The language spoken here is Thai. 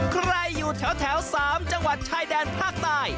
ใครอยู่แถว๓จังหวัดชายแดนภาคใต้